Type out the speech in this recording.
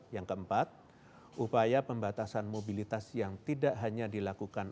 yang keempat upaya pembatasan mobilitas yang tidak hanya dilakukan